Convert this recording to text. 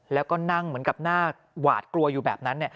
แล้วก็นั่งเหมือนกับหน้าหวาดกลัวอยู่แบบนั้น